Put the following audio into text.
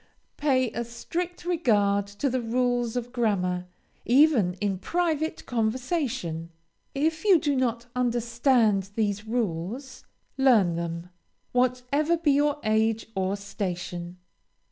Pay a strict regard to the rules of grammar, even in private conversation. If you do not understand these rules, learn them, whatever be your age or station.